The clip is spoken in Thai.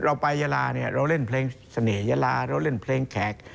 เราไปยาลาเนี่ยเราเล่นเพลงเสน่หยาลาเราเล่นเพลงแขก